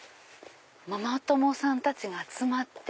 ママ友さんたちが集まって。